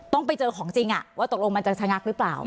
ต้องไปเจอของจริงว่าตกลงมันจะชะงักหรือเปล่า